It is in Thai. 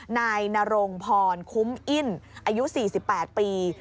นายนรงพรคุ้มอิ้นอายุ๔๘ปี